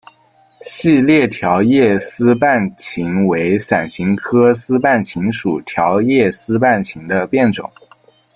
细裂条叶丝瓣芹为伞形科丝瓣芹属条叶丝瓣芹的变种。